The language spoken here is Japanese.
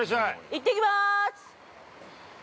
◆行ってきます！